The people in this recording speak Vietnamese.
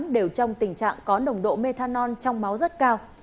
đều trong tình trạng có nồng độ methanol trong máu rất cao